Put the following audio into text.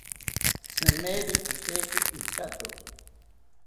Tzimeri ijeki inchatoki